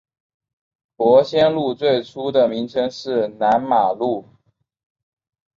伯先路最初的名称是南马路。